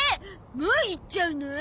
もう行っちゃうの？